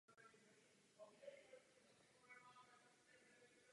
Nechybí zde ani geometrické vzory.